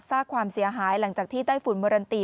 สร้างความเสียหายหลังจากที่ไต้ฝุ่นเมอรันตี